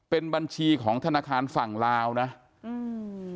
เป็นบัญชีของธนาคารฝั่งลาวนะอืม